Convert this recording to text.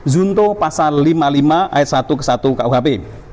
zuntuh pasal lima puluh lima ayat satu ke satu kuhp